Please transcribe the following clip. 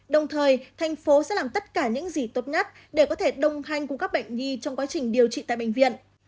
đồng thời thành phố sẽ làm tất cả những gì tốt nhất để có thể đồng hành cùng các bệnh nhi trong quá trình điều trị tại bệnh viện